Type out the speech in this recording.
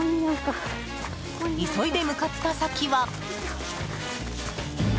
急いで向かった先は。